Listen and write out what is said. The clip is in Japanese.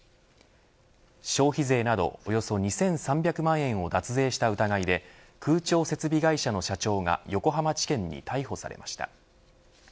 消費税などおよそ２３００万円を脱税した疑いで空調設備会社の社長が横浜地検に逮捕されました。